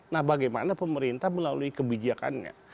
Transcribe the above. nah bagaimana pemerintah melalui kebijakannya